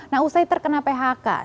nah usai terkena phk